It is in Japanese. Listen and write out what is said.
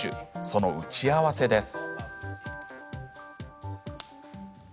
その打ち合わせです。